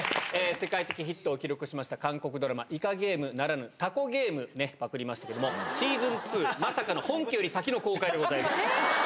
世界的ヒットを記録しました韓国ドラマ、イカゲームならぬ、タコゲームね、パクりましたけれども、シーズン２、まさかの本家より先の公開でございます。